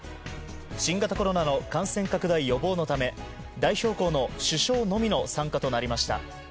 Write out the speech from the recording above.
新型コロナの感染拡大予防のため代表校の主将のみの参加となりました。